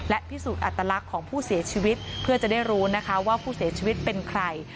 และพิสูจน์อัตลักษณ์ของผู้เสียชีวิตเพื่อจะได้รู้นะคะว่าผู้เสียชีวิตเป็นใคร